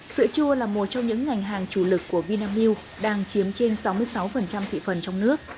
sữa chua là một trong những ngành hàng chủ lực của vinamilk đang chiếm trên sáu mươi sáu thị phần trong nước